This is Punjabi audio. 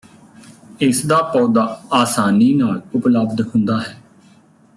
ਇਸ ਦਾ ਪੌਦਾ ਆਸਾਨੀ ਨਾਲ ਉਪਲਬਧ ਹੁੰਦਾ ਹੈ